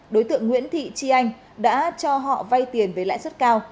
đối tượng nguyễn thị tri anh đã cho họ vay tiền với lãi suất cao